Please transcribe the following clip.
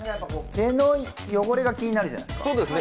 毛の汚れが気になるじゃないですか。